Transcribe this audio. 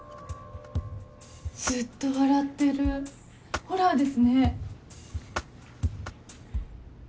ずっと笑ってるホラーですね。